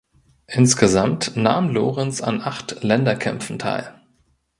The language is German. Insgesamt nahm Lorenz an acht Länderkämpfen teil.